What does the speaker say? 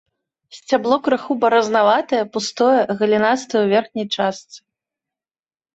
Сцябло крыху баразнаватае, пустое, галінастае ў верхняй частцы.